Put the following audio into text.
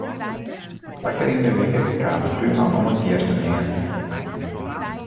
Twa kear yn 'e wike kaam de túnman om it gjers te meanen.